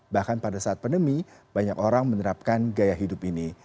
bahkan pada saat pandemi banyak orang menerapkan gaya hidup ini